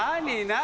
何？